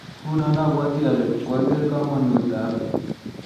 Nguno abwoti ale kaoker kamanut ab